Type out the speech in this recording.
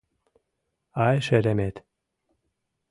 Ай, шеремет...